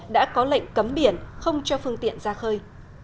đã có lệnh cấm biển không cho phương tiện ra khơi